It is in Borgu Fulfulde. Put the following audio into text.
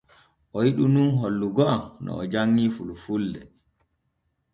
O yiɗu nun hollugo am no o janŋii fulfulde.